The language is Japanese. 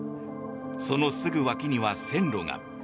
そのすぐ脇には線路が。